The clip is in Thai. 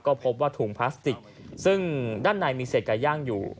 ก็พบว่าถุงพลาสติกซึ่งด้านในมีเศษไก่ย่างอยู่